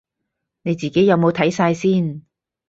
你自己有冇睇晒先